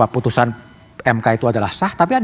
putusan mk itu adalah sah tapi ada